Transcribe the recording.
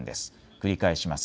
繰り返します。